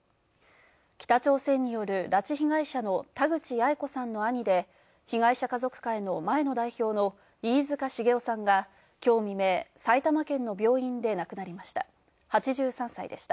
北朝鮮による拉致被害者の田口八重子さんの兄で、被害者家族会の前の代表の飯塚繁雄さんがきょう未明、埼玉県の病院で亡くなりました。